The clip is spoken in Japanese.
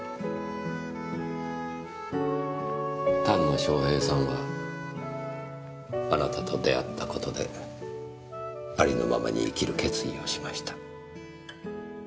丹野翔平さんはあなたと出会った事でありのままに生きる決意をしました。